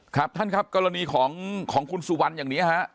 ครับท่านครับกรณีของคุณสุวรรณอย่างนี้ฮะ